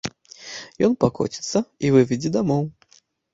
Ён пакоціцца і выведзе дамоў.